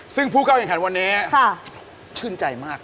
ซึ่งผู้ก้าวอย่างแค่วันนี้ชื่นใจมาก